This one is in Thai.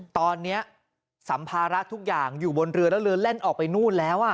ตอนนี้สัมภาระทุกอย่างอยู่บนเรือแล้วเรือแล่นออกไปนู่นแล้ว